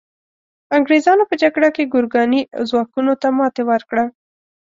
انګریزانو په جګړه کې ګورکاني ځواکونو ته ماتي ورکړه.